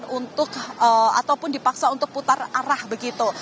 untuk ataupun dipaksa untuk putar arah begitu